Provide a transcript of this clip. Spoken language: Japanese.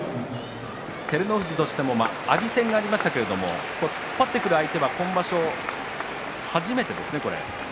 照ノ富士としても阿炎戦でありましたけれども突っ張ってくる相手は今場所は初めてですね、これが。